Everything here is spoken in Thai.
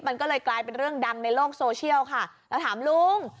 มันก็เลยกลายเป็นเรื่องดังในโลกโซเชียลค่ะแล้วถามลุง